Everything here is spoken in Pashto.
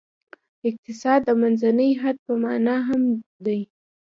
اقتصاد د منځني حد په معنا هم دی.